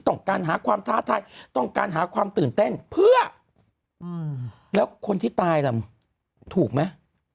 ต้องการหาความท้าทายต้องการหาความตื่นเต้นเพื่อแล้วคนที่ตายล่ะถูกไหม